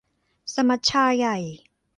สมัชชาใหญ่